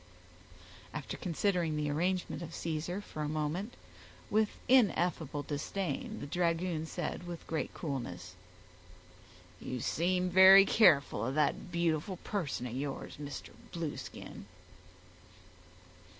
After considering the arrangement of Caesar, for a moment, with ineffable disdain, the dragoon said, with great coolness,— "You seem very careful of that beautiful person of yours, Mr. Blueskin."